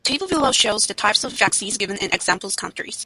The table below shows the types of vaccines given in example countries.